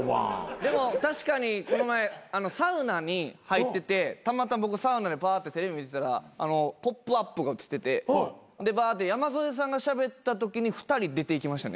でも確かにこの前サウナに入っててたまたま僕サウナでパーってテレビ見てたら『ポップＵＰ！』が映っててでバーって山添さんがしゃべったときに２人出ていきましたね。